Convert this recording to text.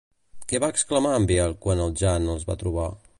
Què va exclamar en Biel quan el Jan els va trobar?